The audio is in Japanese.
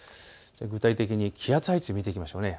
具体的に気圧配置を見ていきましょう。